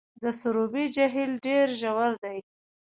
د سروبي جهیل ډیر ژور دی